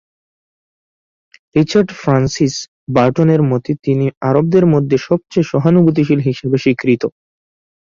Richard Francis বার্টনের মতে তিনি আরবদের মধ্যে সবচেয়ে সহানুভূতিশীল হিসাবে স্বীকৃত।